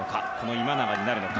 今永になるのか。